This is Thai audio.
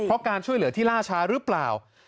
เพราะการช่วยเหลือที่ล่าช้าหรือเปล่า